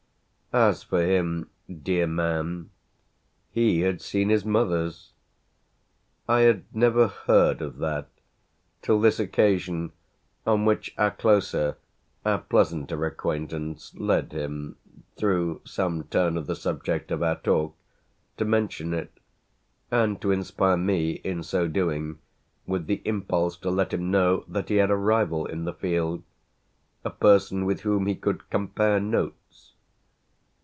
As for him, dear man, he had seen his mother's. I had never heard of that till this occasion on which our closer, our pleasanter acquaintance led him, through some turn of the subject of our talk, to mention it and to inspire me in so doing with the impulse to let him know that he had a rival in the field a person with whom he could compare notes.